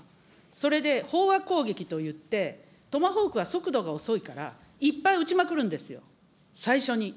それで飽和攻撃といって、トマホークは速度が遅いから、いっぱい撃ちまくるんですよ、最初に。